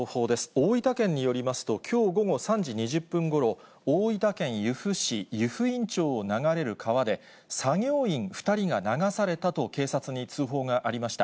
大分県によりますと、きょう午後３時２０分ごろ、大分県由布市湯布院町を流れる川で、作業員２人が流されたと、警察に通報がありました。